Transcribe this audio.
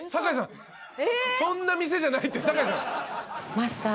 マスター。